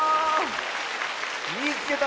「みいつけた！